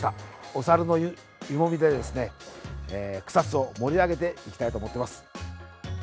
おさるの湯もみでですね、草津を盛り上げていきたいと思ってます。